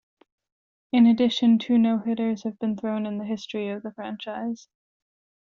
In addition, two no-hitters have been thrown in the history of the franchise.